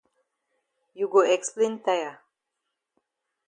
You go explain tire.